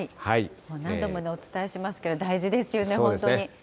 何度もお伝えしますけれども、大事ですよね、本当に。